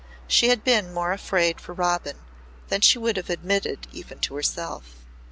She had been more afraid for Robin than she would have admitted even to herself.